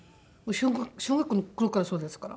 小学校の頃からそうですから。